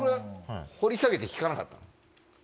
掘り下げて聞かなかったの？